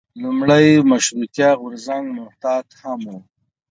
لومړی مشروطیه غورځنګ محتاط هم و.